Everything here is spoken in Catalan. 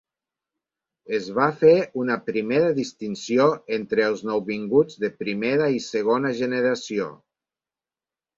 Es va fer una primera distinció entre els nouvinguts de primera i segona generació.